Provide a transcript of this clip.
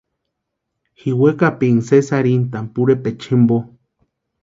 Ji wekapirinka sési arhintani pʼorhepecha jimpo.